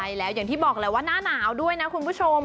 ใช่แล้วอย่างที่บอกแล้วว่าหน้าหนาวด้วยนะคุณผู้ชม